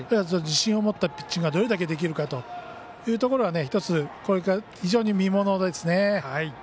自信を持ったピッチングがどれだけできるかというところが１つ、非常に見ものですね。